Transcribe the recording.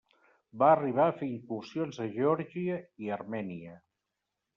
Va arribar a fer incursions a Geòrgia i Armènia.